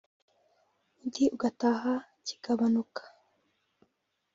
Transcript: undi ugataha kigabanuka